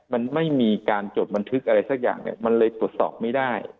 มันไม่มีการจดบันทึกอะไรสักอย่างเนี่ยมันเลยตรวจสอบไม่ได้